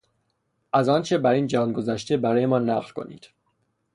از آنچه بر این جهان گذشته برای ما نقل کنید!